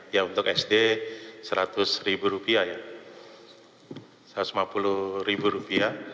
ya untuk sd rp seratus rp satu ratus lima puluh